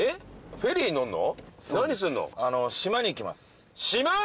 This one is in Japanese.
フェリーに乗るの？